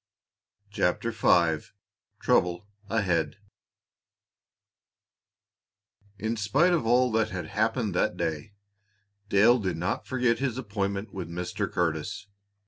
CHAPTER V TROUBLE AHEAD In spite of all that had happened that day, Dale did not forget his appointment with Mr. Curtis.